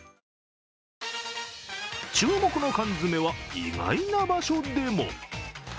注目の缶詰は、意外な場所でも。